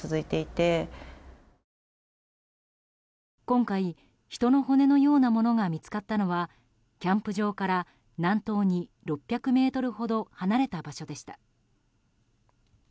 今回、人の骨のようなものが見つかったのはキャンプ場から南東に６００ｍほど離れた場所でした。